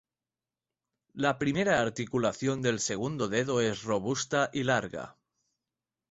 La primera articulación del segundo dedo es robusta y larga.